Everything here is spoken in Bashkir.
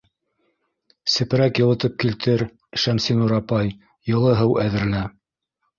Сепрәк йылытып килтер, Шәмсинур апай, йылы һыу әҙерлә...